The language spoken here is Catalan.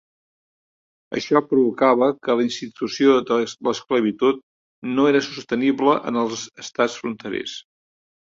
Això provocava que la institució de l'esclavitud no era sostenible en els estats fronterers.